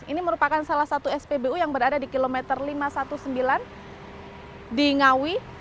ini merupakan salah satu spbu yang berada di kilometer lima ratus sembilan belas di ngawi